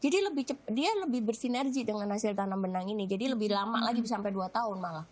jadi dia lebih bersinergi dengan hasil tanam benang ini jadi lebih lama lagi sampai dua tahun malah